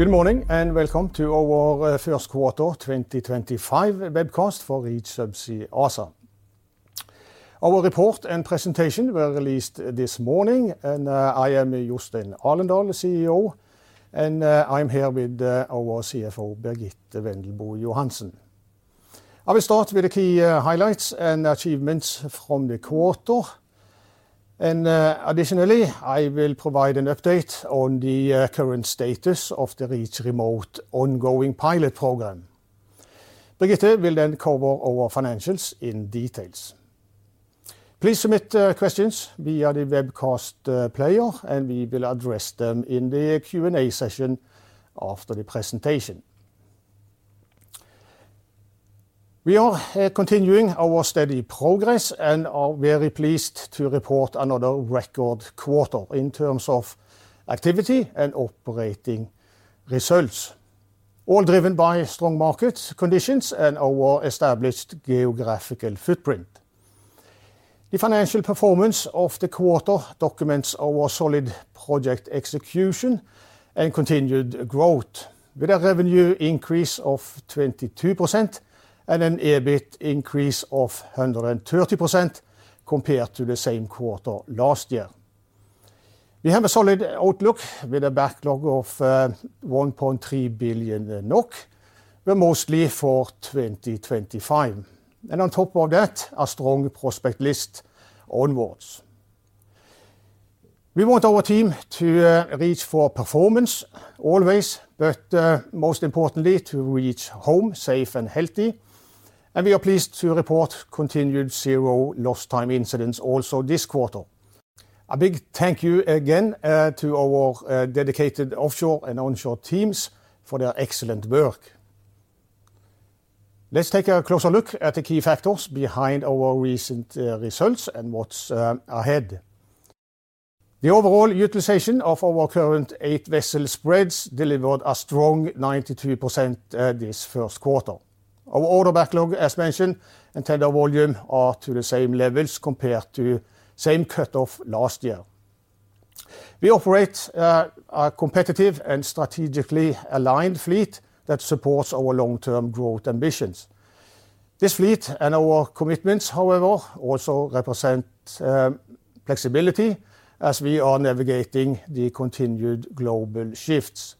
Good morning and welcome to our First Quarter 2025 webcast for Reach Subsea ASA. Our report and presentation were released this morning, and I am Jostein Alendal, CEO, and I am here with our CFO, Birgitte Wendelbo Johansen. I will start with key highlights and achievements from the quarter, and additionally, I will provide an update on the current status of the Reach Remote ongoing pilot program. Birgitte will then cover our financials in detail. Please submit questions via the webcast player, and we will address them in the Q&A session after the presentation. We are continuing our steady progress and are very pleased to report another record quarter in terms of activity and operating results, all driven by strong market conditions and our established geographical footprint. The financial performance of the quarter documents our solid project execution and continued growth, with a revenue increase of 22% and an EBIT increase of 130% compared to the same quarter last year. We have a solid outlook with a backlog of 1.3 billion NOK, but mostly for 2025. On top of that, a strong prospect list onwards. We want our team to reach for performance always, but most importantly, to reach home, safe and healthy. We are pleased to report continued zero lost time incidents also this quarter. A big thank you again to our dedicated offshore and onshore teams for their excellent work. Let's take a closer look at the key factors behind our recent results and what's ahead. The overall utilization of our current eight vessel spreads delivered a strong 92% this first quarter. Our order backlog, as mentioned, and tender volume are to the same levels compared to the same cut-off last year. We operate a competitive and strategically aligned fleet that supports our long-term growth ambitions. This fleet and our commitments, however, also represent flexibility as we are navigating the continued global shifts.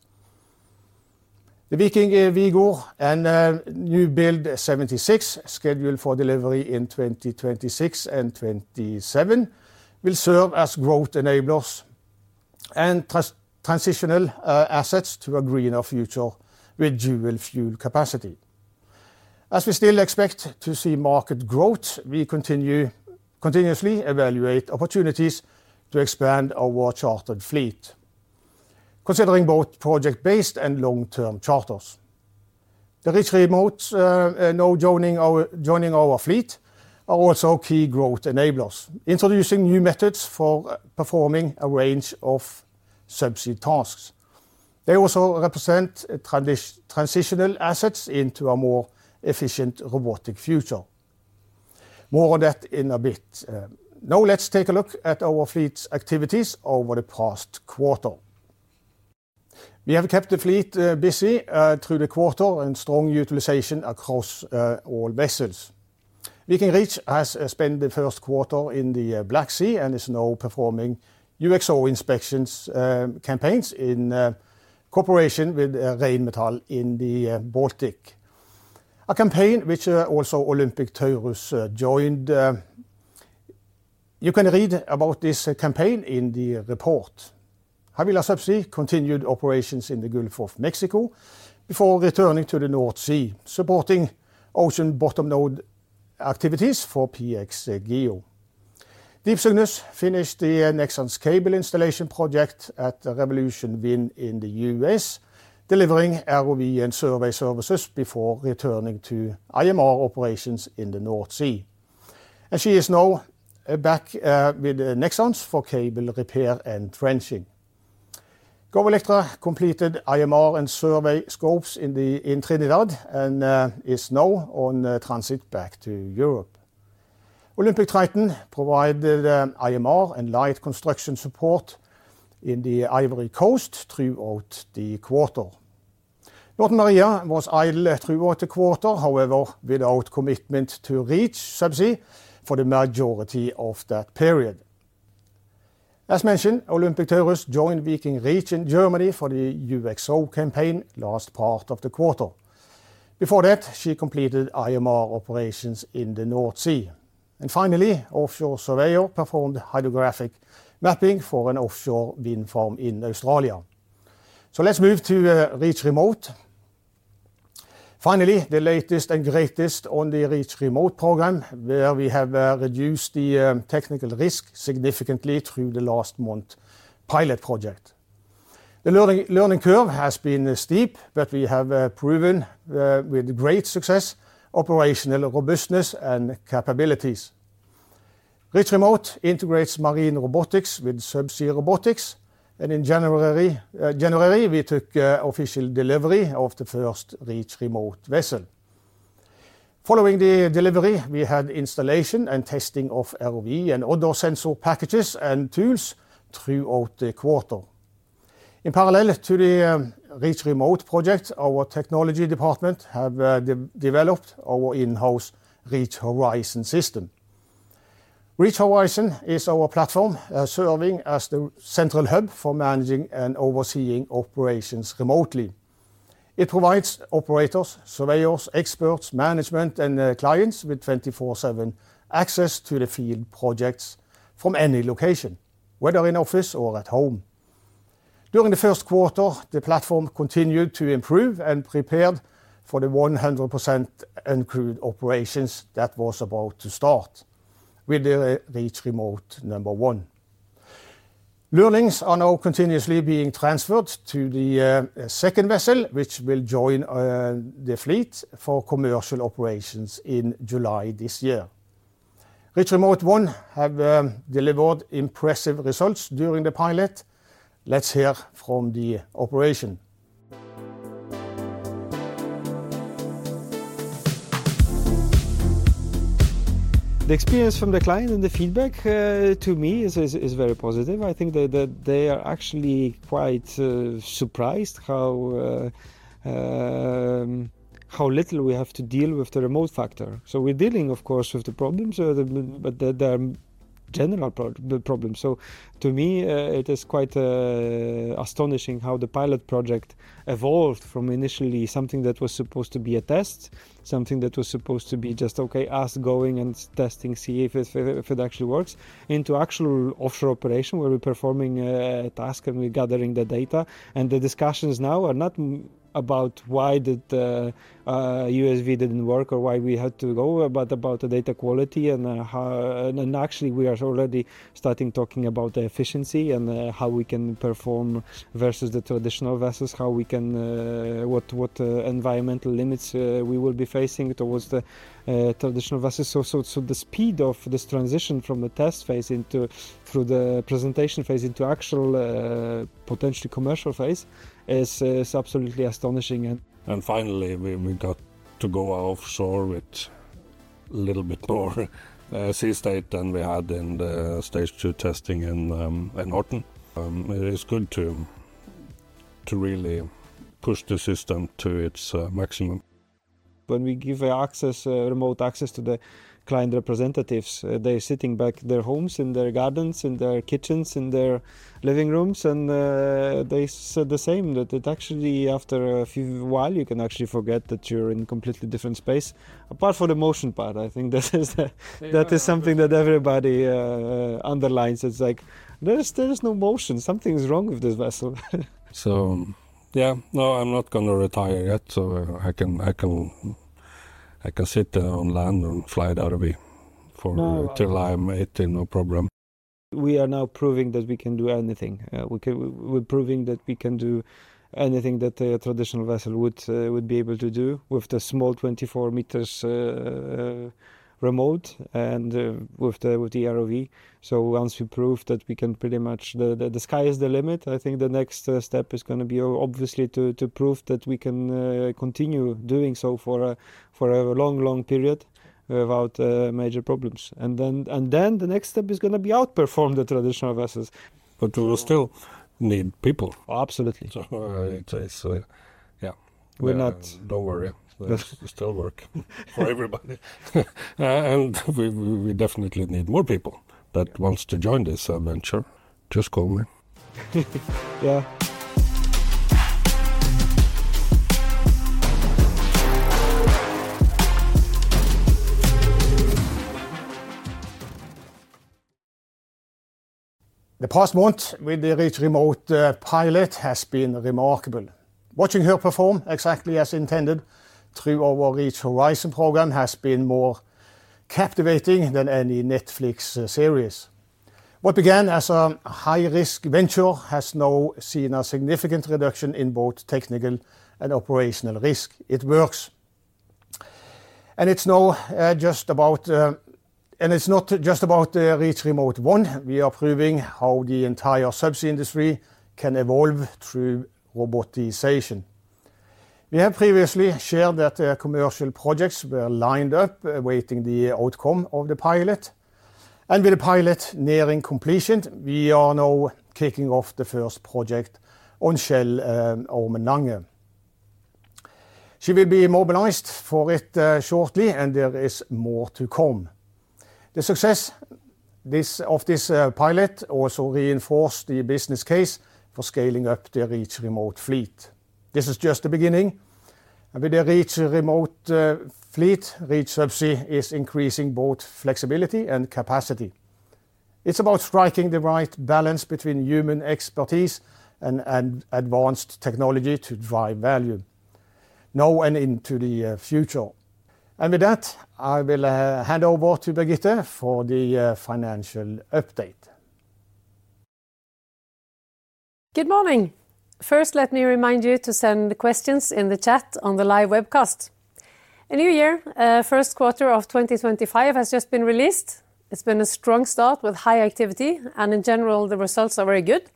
The Viking Vigor and New Build 76 scheduled for delivery in 2026 and 2027 will serve as growth enablers and transitional assets to a greener future with dual fuel capacity. As we still expect to see market growth, we continuously evaluate opportunities to expand our chartered fleet, considering both project-based and long-term charters. The Reach Remotes now joining our fleet are also key growth enablers, introducing new methods for performing a range of subsea tasks. They also represent transitional assets into a more efficient robotic future. More on that in a bit. Now let's take a look at our fleet's activities over the past quarter. We have kept the fleet busy through the quarter and strong utilization across all vessels. Viking Reach has spent the first quarter in the Black Sea and is now performing UXO inspections campaigns in cooperation with Rheinmetall in the Baltic. A campaign which also Olympic Tours joined. You can read about this campaign in the report. Havila Subsea continued operations in the Gulf of Mexico before returning to the North Sea, supporting ocean bottom node activities for PXGEO. Deep Cygnus finished the Nexans cable installation project at Revolution Wind in the United States, delivering ROV and survey services before returning to IMR operations in the North Sea. She is now back with Nexans for cable repair and trenching. Go Electra completed IMR and survey scopes in Trinidad and is now on transit back to Europe. Olympic Triton provided IMR and light construction support in the Ivory Coast throughout the quarter. Northern Maria was idle throughout the quarter, however, without commitment to Reach Subsea for the majority of that period. As mentioned, Olympic Tours joined Viking Reach in Germany for the UXO campaign last part of the quarter. Before that, she completed IMR operations in the North Sea. Finally, Offshore Surveyor performed hydrographic mapping for an offshore wind farm in Australia. Let's move to Reach Remote. Finally, the latest and greatest on the Reach Remote program, where we have reduced the technical risk significantly through the last month's pilot project. The learning curve has been steep, but we have proven with great success operational robustness and capabilities. Reach Remote integrates marine robotics with subsea robotics, and in January we took official delivery of the first Reach Remote vessel. Following the delivery, we had installation and testing of ROV and other sensor packages and tools throughout the quarter. In parallel to the Reach Remote project, our technology department has developed our in-house Reach Horizon system. Reach Horizon is our platform serving as the central hub for managing and overseeing operations remotely. It provides operators, surveyors, experts, management, and clients with 24/7 access to the field projects from any location, whether in office or at home. During the first quarter, the platform continued to improve and prepared for the 100% uncrewed operations that were about to start with the Reach Remote number one. Learnings are now continuously being transferred to the second vessel, which will join the fleet for commercial operations in July this year. Reach Remote one has delivered impressive results during the pilot. Let's hear from the operation. The experience from the client and the feedback to me is very positive. I think that they are actually quite surprised how little we have to deal with the remote factor. We are dealing, of course, with the problems, but there are general problems. To me, it is quite astonishing how the pilot project evolved from initially something that was supposed to be a test, something that was supposed to be just, okay, us going and testing, see if it actually works, into actual offshore operation where we are performing a task and we are gathering the data. The discussions now are not about why the USV did not work or why we had to go, but about the data quality and how, and actually we are already starting talking about the efficiency and how we can perform versus the traditional vessels, how we can, what environmental limits we will be facing towards the traditional vessels. The speed of this transition from the test phase through the presentation phase into actual potentially commercial phase is absolutely astonishing. Finally, we got to go offshore with a little bit more sea state than we had in the stage two testing in Horten. It is good to really push the system to its maximum. When we give access, remote access to the client representatives, they're sitting back in their homes, in their gardens, in their kitchens, in their living rooms, and they said the same that it actually, after a few while, you can actually forget that you're in a completely different space. Apart from the motion part, I think that is something that everybody underlines. It's like, there's no motion. Something's wrong with this vessel. Yeah, no, I'm not going to retire yet, so I can sit on land and fly the ROV till I'm 80, no problem. We are now proving that we can do anything. We're proving that we can do anything that a traditional vessel would be able to do with the small 24 meters remote and with the ROV. Once we prove that we can, pretty much the sky is the limit. I think the next step is going to be obviously to prove that we can continue doing so for a long, long period without major problems. The next step is going to be outperform the traditional vessels. We’ll still need people. Absolutely. Yeah We're not. Don't worry. We'll still work for everybody. We definitely need more people that want to join this adventure. Just call me. Yeah. The past month with the Reach Remote pilot has been remarkable. Watching her perform exactly as intended through our Reach Horizon program has been more captivating than any Netflix series. What began as a high-risk venture has now seen a significant reduction in both technical and operational risk. It works. It is not just about the Reach Remote one. We are proving how the entire subsea industry can evolve through robotisation. We have previously shared that commercial projects were lined up, awaiting the outcome of the pilot. With the pilot nearing completion, we are now kicking off the first project on Shell Ormen Lange. She will be mobilized for it shortly, and there is more to come. The success of this pilot also reinforced the business case for scaling up the Reach Remote fleet. This is just the beginning. With the Reach Remote fleet, Reach Subsea is increasing both flexibility and capacity. It is about striking the right balance between human expertise and advanced technology to drive value. Now and into the future. With that, I will hand over to Birgitte for the financial update. Good morning. First, let me remind you to send the questions in the chat on the live webcast. A new year, first quarter of 2025, has just been released. It's been a strong start with high activity, and in general, the results are very good.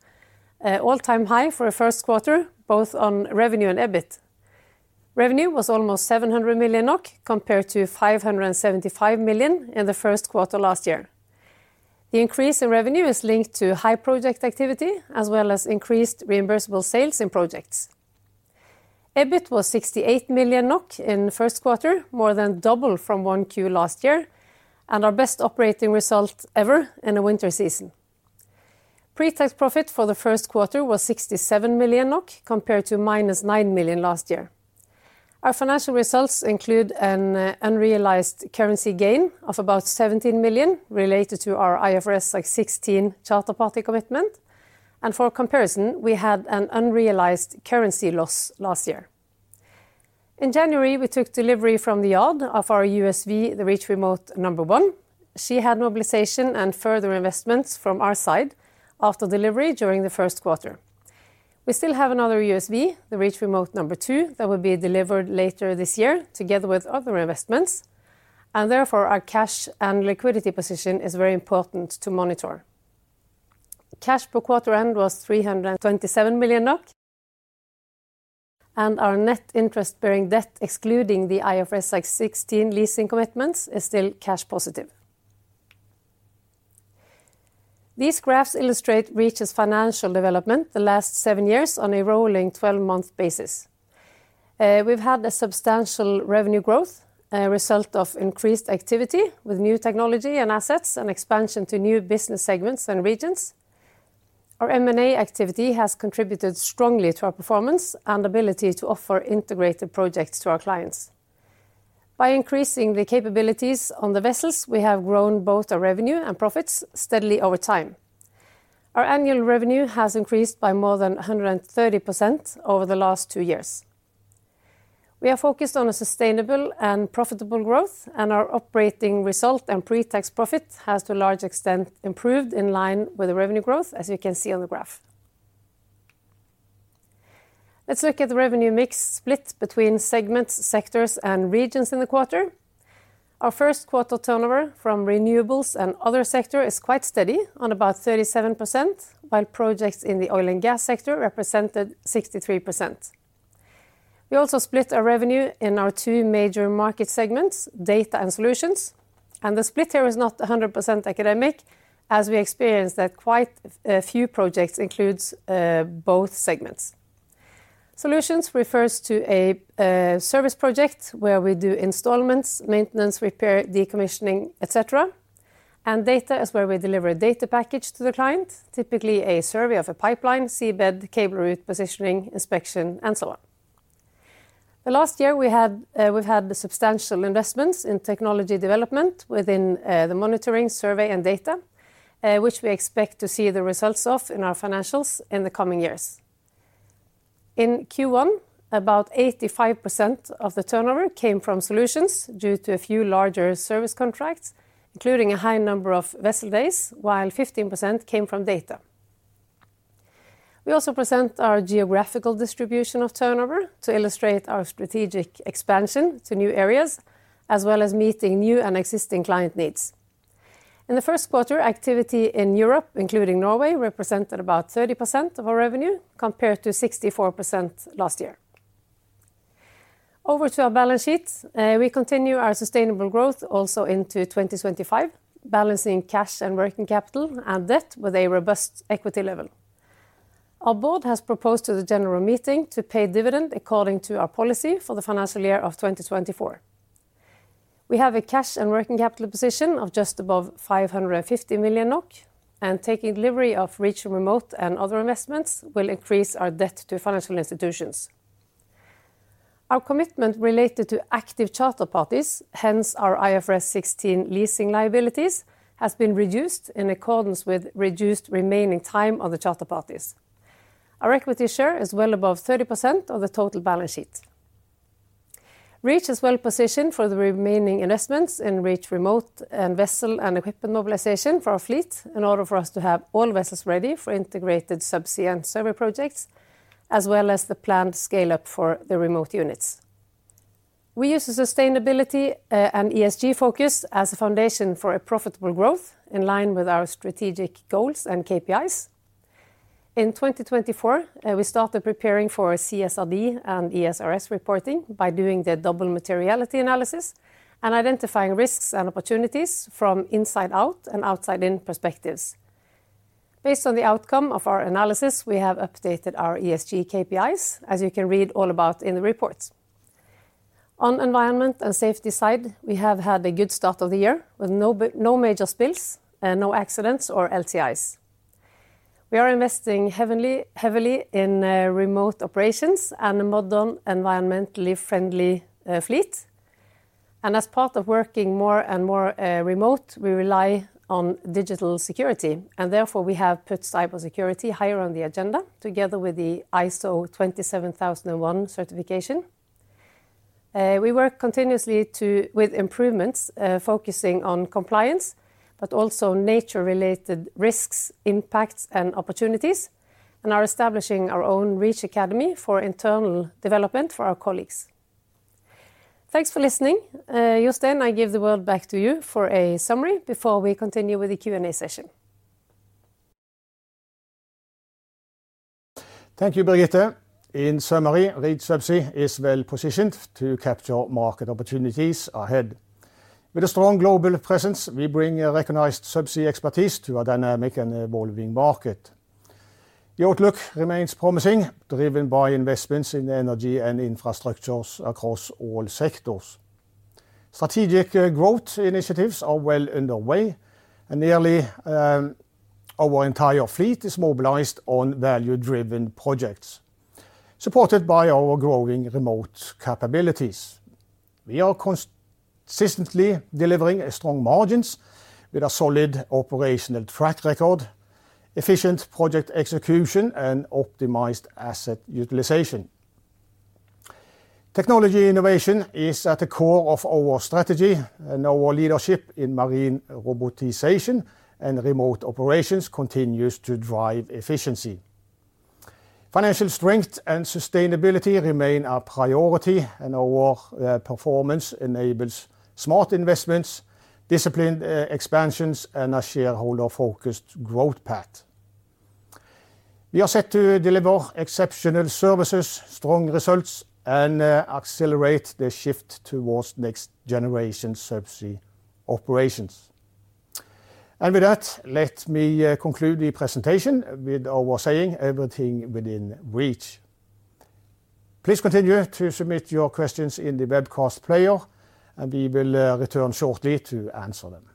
All-time high for a first quarter, both on revenue and EBIT. Revenue was almost 700 million NOK compared to 575 million in the first quarter last year. The increase in revenue is linked to high project activity, as well as increased reimbursable sales in projects. EBIT was 68 million NOK in first quarter, more than double from one Q last year, and our best operating result ever in the winter season. Pre-tax profit for the first quarter was 67 million NOK compared to minus 9 million last year. Our financial results include an unrealized currency gain of about 17 million related to our IFRS 16 charter party commitment. For comparison, we had an unrealized currency loss last year. In January, we took delivery from the yard of our USV, the Reach Remote number one. She had mobilization and further investments from our side after delivery during the first quarter. We still have another USV, the Reach Remote number two, that will be delivered later this year together with other investments. Therefore, our cash and liquidity position is very important to monitor. Cash per quarter end was 327 million NOK. Our net interest-bearing debt, excluding the IFRS 16 leasing commitments, is still cash positive. These graphs illustrate Reach's financial development the last seven years on a rolling 12-month basis. We've had a substantial revenue growth result of increased activity with new technology and assets and expansion to new business segments and regions. Our M&A activity has contributed strongly to our performance and ability to offer integrated projects to our clients. By increasing the capabilities on the vessels, we have grown both our revenue and profits steadily over time. Our annual revenue has increased by more than 130% over the last two years. We are focused on a sustainable and profitable growth, and our operating result and pre-tax profit has to a large extent improved in line with the revenue growth, as you can see on the graph. Let's look at the revenue mix split between segments, sectors, and regions in the quarter. Our first quarter turnover from renewables and other sectors is quite steady on about 37%, while projects in the oil and gas sector represented 63%. We also split our revenue in our two major market segments, data and solutions. The split here is not 100% academic, as we experience that quite a few projects include both segments. Solutions refers to a service project where we do installments, maintenance, repair, decommissioning, etc. Data is where we deliver a data package to the client, typically a survey of a pipeline, seabed, cable route positioning, inspection, and so on. The last year, we've had substantial investments in technology development within the monitoring, survey, and data, which we expect to see the results of in our financials in the coming years. In Q1, about 85% of the turnover came from solutions due to a few larger service contracts, including a high number of vessel days, while 15% came from data. We also present our geographical distribution of turnover to illustrate our strategic expansion to new areas, as well as meeting new and existing client needs. In the first quarter, activity in Europe, including Norway, represented about 30% of our revenue compared to 64% last year. Over to our balance sheet. We continue our sustainable growth also into 2025, balancing cash and working capital and debt with a robust equity level. Our board has proposed to the general meeting to pay dividend according to our policy for the financial year of 2024. We have a cash and working capital position of just above 550 million NOK, and taking delivery of Reach Remote and other investments will increase our debt to financial institutions. Our commitment related to active charter parties, hence our IFRS 16 leasing liabilities, has been reduced in accordance with reduced remaining time of the charter parties. Our equity share is well above 30% of the total balance sheet. Reach is well positioned for the remaining investments in Reach Remote and vessel and equipment mobilization for our fleet in order for us to have all vessels ready for integrated subsea and survey projects, as well as the planned scale-up for the remote units. We use a sustainability and ESG focus as a foundation for a profitable growth in line with our strategic goals and KPIs. In 2024, we started preparing for CSRD and ESRS reporting by doing the double materiality analysis and identifying risks and opportunities from inside-out and outside-in perspectives. Based on the outcome of our analysis, we have updated our ESG KPIs, as you can read all about in the report. On the environment and safety side, we have had a good start of the year with no major spills, no accidents, or LTIs. We are investing heavily in remote operations and a modern environmentally friendly fleet. As part of working more and more remote, we rely on digital security. Therefore, we have put cybersecurity higher on the agenda together with the ISO 27001 certification. We work continuously with improvements, focusing on compliance, but also nature-related risks, impacts, and opportunities, and are establishing our own Reach Academy for internal development for our colleagues. Thanks for listening. Jostein, I give the world back to you for a summary before we continue with the Q&A session. Thank you, Birgitte. In summary, Reach Subsea is well positioned to capture market opportunities ahead. With a strong global presence, we bring recognized subsea expertise to a dynamic and evolving market. The outlook remains promising, driven by investments in energy and infrastructures across all sectors. Strategic growth initiatives are well underway, and nearly our entire fleet is mobilized on value-driven projects, supported by our growing remote capabilities. We are consistently delivering strong margins with a solid operational track record, efficient project execution, and optimized asset utilization. Technology innovation is at the core of our strategy, and our leadership in marine robotisation and remote operations continues to drive efficiency. Financial strength and sustainability remain a priority, and our performance enables smart investments, disciplined expansions, and a shareholder-focused growth path. We are set to deliver exceptional services, strong results, and accelerate the shift towards next-generation subsea operations. With that, let me conclude the presentation with our saying, "Everything within reach." Please continue to submit your questions in the webcast player, and we will return shortly to answer them.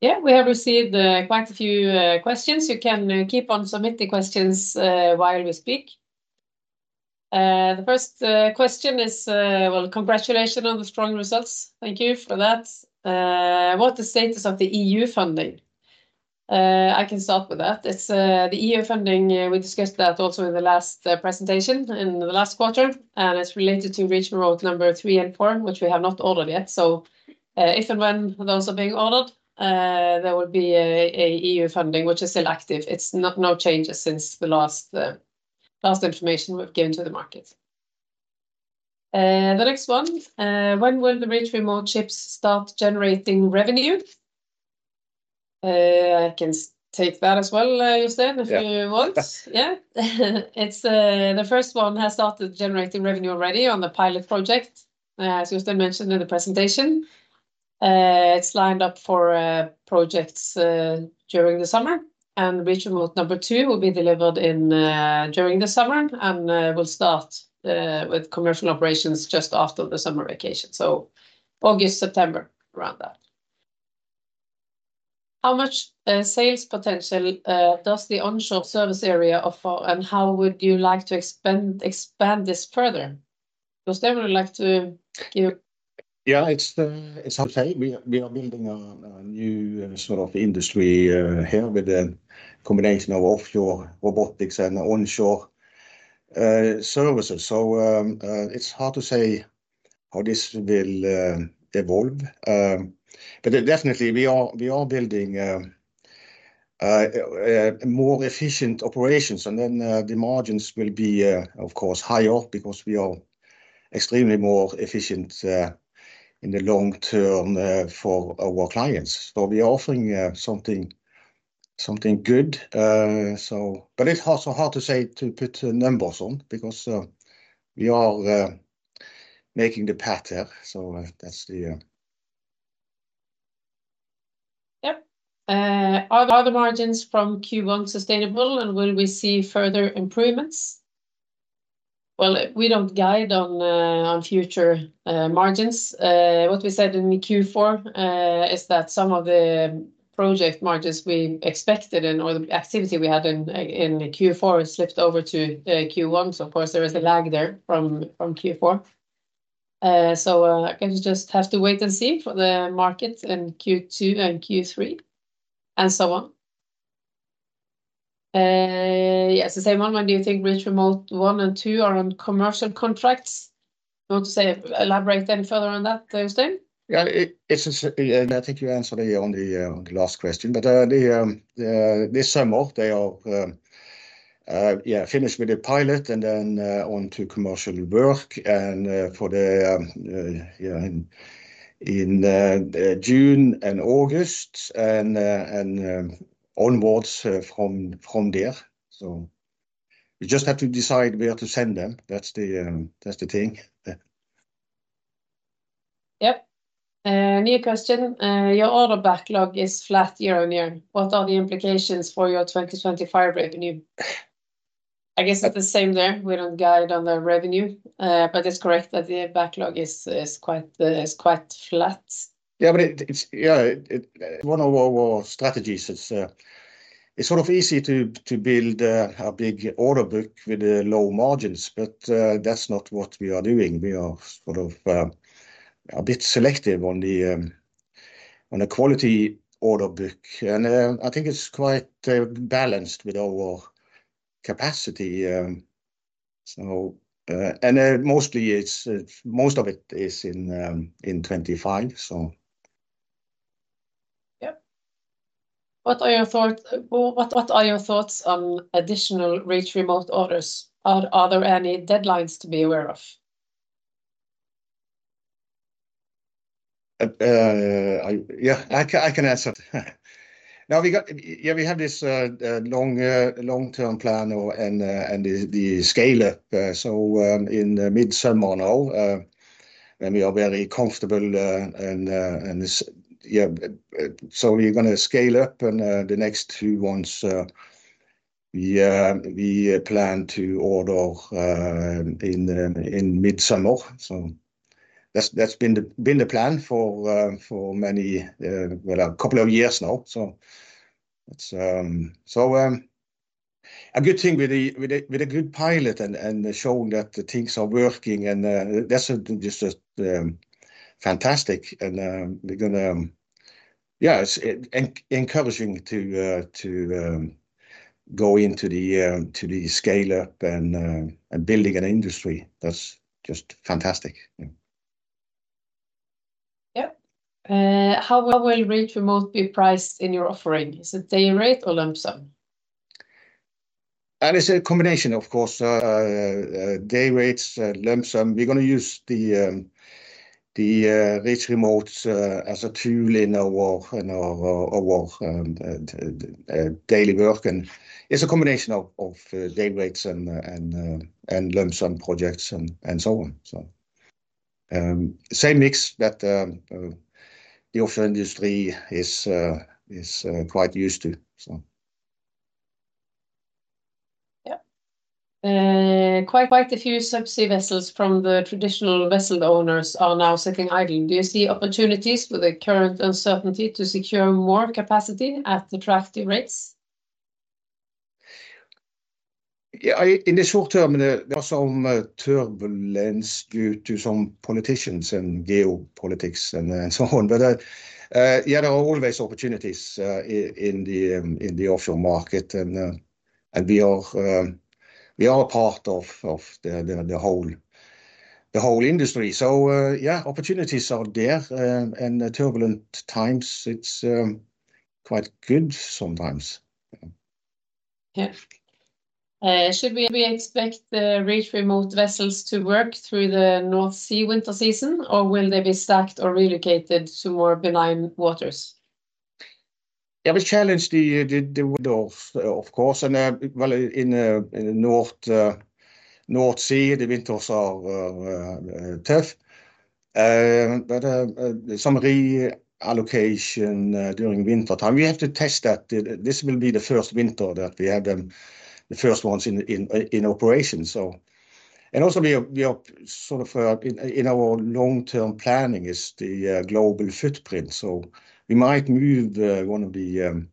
Yeah, we have received quite a few questions. You can keep on submitting questions while we speak. The first question is, congratulations on the strong results. Thank you for that. What's the status of the EU funding? I can start with that. It's the EU funding. We discussed that also in the last presentation in the last quarter, and it's related to Reach Remote number three and four, which we have not ordered yet. If and when those are being ordered, there will be an EU funding which is still active. There are no changes since the last information we've given to the market. The next one, when will the Reach Remote ships start generating revenue? I can take that as well, Jostein, if you want. Yeah, the first one has started generating revenue already on the pilot project, as Jostein mentioned in the presentation. It's lined up for projects during the summer, and Reach Remote number two will be delivered during the summer and will start with commercial operations just after the summer vacation. August, September, around that. How much sales potential does the onshore service area offer, and how would you like to expand this further? Jostein, would you like to give? Yeah, it's hard to say. We are building a new sort of industry here with a combination of offshore robotics and onshore services. It's hard to say how this will evolve. We are definitely building more efficient operations, and then the margins will be, of course, higher because we are extremely more efficient in the long-term for our clients. We are offering something good. It's also hard to say to put numbers on because we are making the path here. That's the. Yep. Are the margins from Q1 sustainable, and will we see further improvements? We do not guide on future margins. What we said in Q4 is that some of the project margins we expected and/or the activity we had in Q4 slipped over to Q1. Of course, there was a lag there from Q4. I guess we just have to wait and see for the market in Q2 and Q3 and so on. Yes, the same one. When do you think Reach Remote one and two are on commercial contracts? Want to elaborate any further on that, Jostein? Yeah, it's a... I think you answered it on the last question. This summer, they are finished with the pilot and then on to commercial work for the... in June and August and onwards from there. We just have to decide where to send them. That's the thing. Yep. New question. Your order backlog is flat year on year. What are the implications for your 2025 revenue? I guess it's the same there. We don't guide on the revenue, but it's correct that the backlog is quite flat. Yeah, but it's... yeah. One of our strategies. It's sort of easy to build a big order book with low margins, but that's not what we are doing. We are sort of a bit selective on the quality order book. I think it's quite balanced with our capacity. Most of it is in 2025, so. Yep. What are your thoughts on additional Reach Remote orders? Are there any deadlines to be aware of? Yeah, I can answer. Now, yeah, we have this long-term plan and the scale-up. In mid-summer now, and we are very comfortable. Yeah, we are going to scale up in the next two months. We plan to order in mid-summer. That has been the plan for many, a couple of years now. A good thing with a good pilot and showing that things are working. That is just fantastic. We are going to... yeah, it is encouraging to go into the scale-up and building an industry. That is just fantastic. Yep. How will Reach Remote be priced in your offering? Is it day rate or lump sum? It is a combination, of course. Day rates, lump sum. We are going to use the Reach Remote as a tool in our daily work. It is a combination of day rates and lump sum projects and so on. Same mix that the offshore industry is quite used to. Yep. Quite a few subsea vessels from the traditional vessel owners are now sitting idle. Do you see opportunities with the current uncertainty to secure more capacity at attractive rates? Yeah, in the short-term, there is some turbulence due to some politicians and geopolitics and so on. Yeah, there are always opportunities in the offshore market. We are a part of the whole industry. Yeah, opportunities are there. Turbulent times, it's quite good sometimes. Yeah. Should we expect Reach Remote vessels to work through the North Sea winter season, or will they be stacked or relocated to more benign waters? Yeah, we challenge the winter, of course. In the North Sea, the winters are tough. Some reallocation during wintertime. We have to test that. This will be the first winter that we have the first ones in operation. We are sort of in our long-term planning, the global footprint. We might move one of the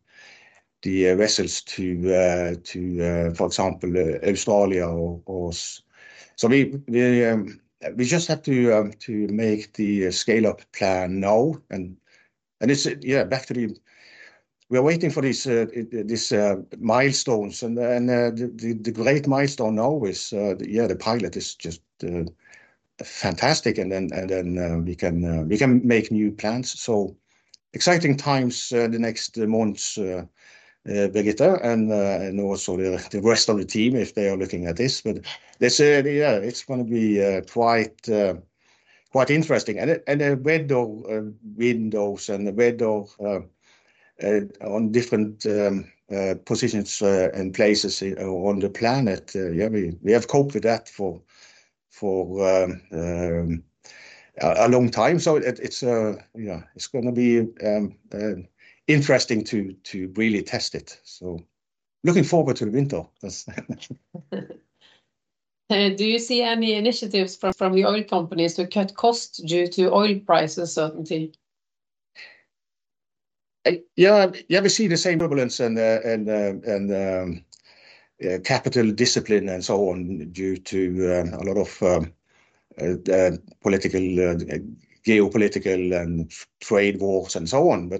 vessels to, for example, Australia or... We just have to make the scale-up plan now. It is, yeah, back to the... we are waiting for these milestones. The great milestone now is, yeah, the pilot is just fantastic. Then we can make new plans. Exciting times the next months, Birgitte, and also the rest of the team if they are looking at this. Yeah, it is going to be quite interesting. The weather windows and the weather on different positions and places on the planet, yeah, we have coped with that for a long time. Yeah, it is going to be interesting to really test it. Looking forward to the winter. Do you see any initiatives from the oil companies to cut costs due to oil prices, certainly? Yeah, yeah, we see the same turbulence and capital discipline and so on due to a lot of political, geopolitical, and trade wars and so on.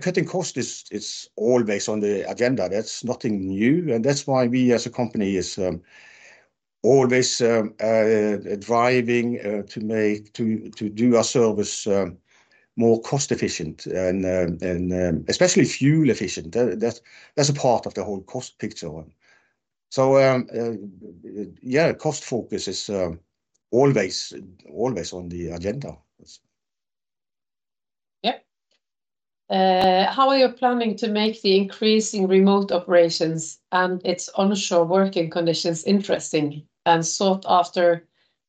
Cutting costs is always on the agenda. That's nothing new. That's why we as a company are always driving to do our service more cost-efficient and especially fuel-efficient. That's a part of the whole cost picture. Yeah, cost focus is always on the agenda. Yep. How are you planning to make the increase in remote operations and its onshore working conditions interesting and sought after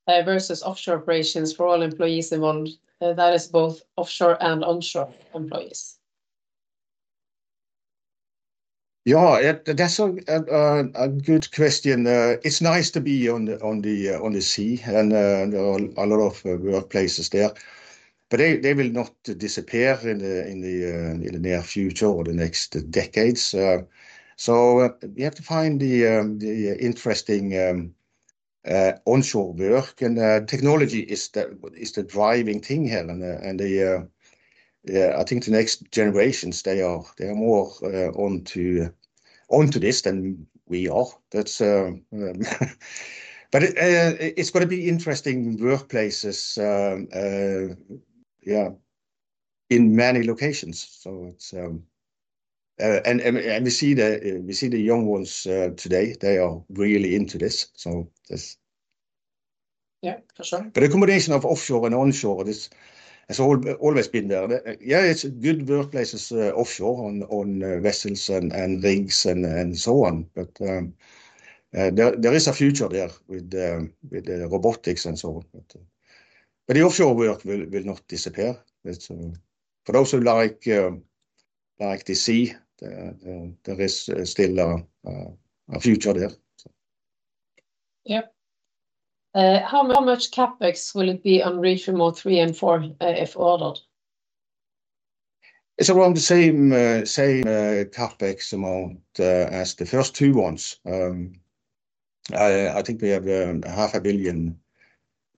versus offshore operations for all employees involved, that is both offshore and onshore employees? Yeah, that's a good question. It's nice to be on the sea and there are a lot of workplaces there. They will not disappear in the near future or the next decades. We have to find the interesting onshore work. Technology is the driving thing here. I think the next generations, they are more onto this than we are. It's going to be interesting workplaces, yeah, in many locations. We see the young ones today. They are really into this. That's. Yeah, for sure. A combination of offshore and onshore, it's always been there. Yeah, it's good workplaces offshore on vessels and rigs and so on. There is a future there with robotics and so on. The offshore work will not disappear. For those who like the sea, there is still a future there. Yep. How much CapEx will it be on Reach Remote three and four if ordered? It's around the same CapEx amount as the first two ones. I think we have 500,000,000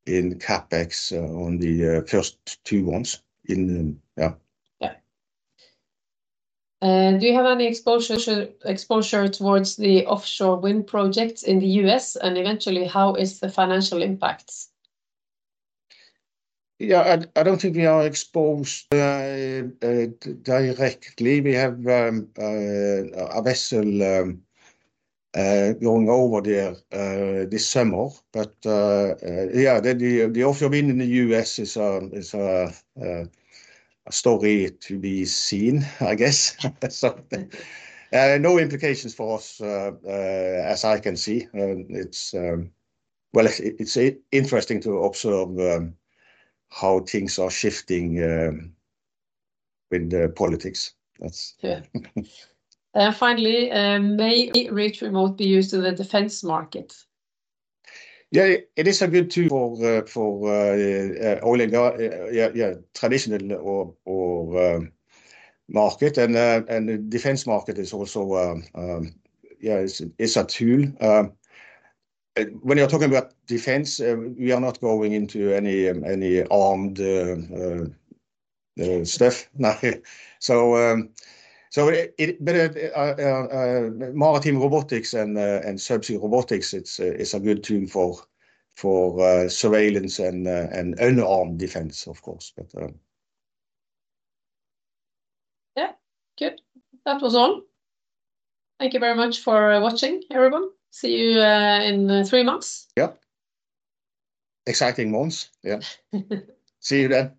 in CapEx on the first two ones. Yeah. Do you have any exposure towards the offshore wind projects in the U.S.? Eventually, how is the financial impact? Yeah, I do not think we are exposed directly. We have a vessel going over there this summer. Yeah, the offshore wind in the U.S. is a story to be seen, I guess. No implications for us, as I can see. It is interesting to observe how things are shifting with the politics. Yeah. Finally, may Reach Remote be used in the defense market? Yeah, it is a good tool for traditional market. The defense market is also, yeah, it's a tool. When you're talking about defense, we are not going into any armed stuff. Maritime Robotics and Subsea Robotics is a good tool for surveillance and unarmed defense, of course. Yeah, good. That was all. Thank you very much for watching, everyone. See you in three months. Yeah. Exciting months. Yeah. See you then.